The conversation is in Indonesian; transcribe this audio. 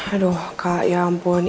aduh kak ya ampun